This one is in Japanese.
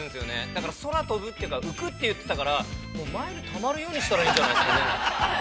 だから、空飛ぶっていうか浮くって言ってたからもう、マイルたまるようにしたらいいんじゃないですかね。